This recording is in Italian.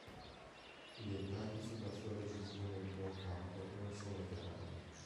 I dettagli sulla sua decisione di non farlo non sono chiari.